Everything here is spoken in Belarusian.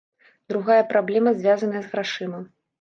Другая праблема звязаная з грашыма.